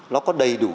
nó có đầy đủ